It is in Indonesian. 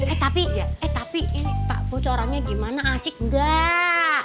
eh tapi eh tapi pak bojo orangnya gimana asik gak